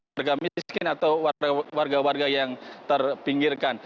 warga miskin atau warga warga yang terpinggirkan